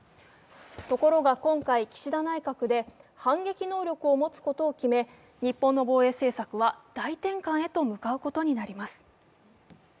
ところが今回、岸田内閣で反撃能力を持つことを決め日本の防衛政策は大転換へと向かうことになります。